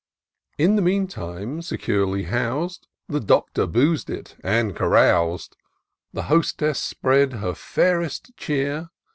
In the meantime, securely hous'd, The Doctor booz'd it, and carous'd. The Hostess spread her fairest cheer.